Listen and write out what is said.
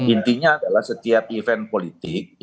intinya adalah setiap event politik